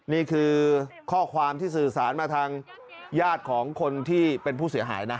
นี่คือข้อความที่สื่อสารมาทางญาติของคนที่เป็นผู้เสียหายนะ